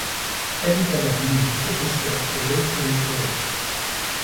Elle est alors nommée professeur au Lake Erie College.